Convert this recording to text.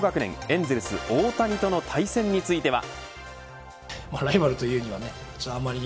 エンゼルス大谷との対戦については。